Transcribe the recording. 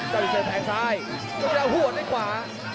เจ้าดีเซลแทงซ้ายก็จะเอาหัวในขวา